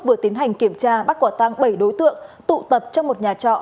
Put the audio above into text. vừa tiến hành kiểm tra bắt quả tăng bảy đối tượng tụ tập trong một nhà trọ